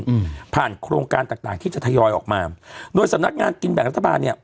อืมผ่านโครงการต่างต่างที่จะทยอยออกมาโดยสำนักงานกินแบ่งรัฐบาลเนี้ย